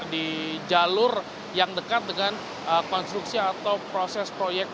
di jalur yang dekat dengan konstruksi atau proses proyek